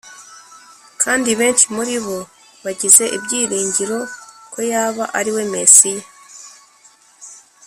kandi benshi muri bo bagize ibyiringiro ko yaba ariwe Mesiya